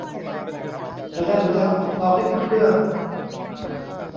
จะแล่นแล้ว รอขึ้นเครื่อง